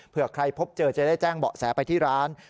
เพื่อใครพบเจอจะได้แจ้งเบาะแสไปที่ร้าน